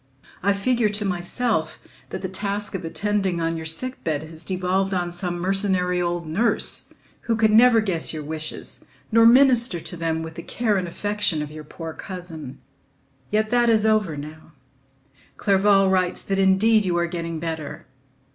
I figure to myself that the task of attending on your sickbed has devolved on some mercenary old nurse, who could never guess your wishes nor minister to them with the care and affection of your poor cousin. Yet that is over now: Clerval writes that indeed you are getting better.